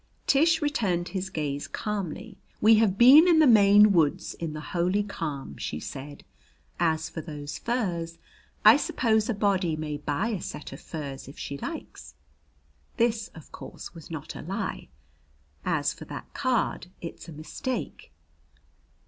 Tish returned his gaze calmly. "We have been in the Maine woods in the holy calm," she said. "As for those furs, I suppose a body may buy a set of furs if she likes." This, of course, was not a lie. "As for that card, it's a mistake."